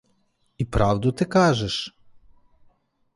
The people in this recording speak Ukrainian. І правду ти кажеш?